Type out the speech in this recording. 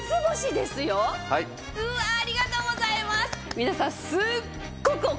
皆さん。